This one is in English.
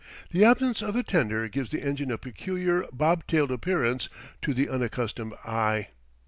The absence of a tender gives the engine a peculiar, bob tailed appearance to the unaccustomed eye.